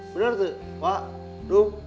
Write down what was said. bener tuh pak